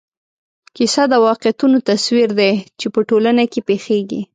کیسه د واقعیتونو تصویر دی چې په ټولنه کې پېښېږي.